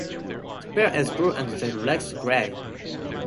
The bill is blue and the legs grey.